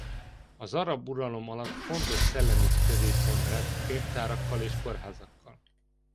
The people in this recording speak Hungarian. Az arab uralom alatt fontos szellemi középpont lett könyvtárakkal és kórházakkal.